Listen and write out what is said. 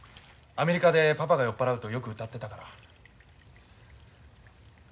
アメリカでパパが酔っ払うとよく歌ってたから。